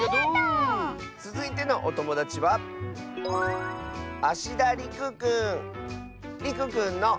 つづいてのおともだちはりくくんの。